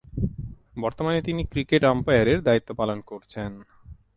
বর্তমানে তিনি ক্রিকেট আম্পায়ারের দায়িত্ব পালন করছেন।